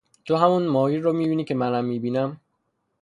تو هم همون ماهی رو میبینی که من میبینم؟